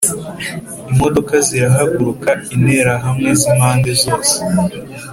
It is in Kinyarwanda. Imodoka zirahaguruka, interahamwe zimpande zose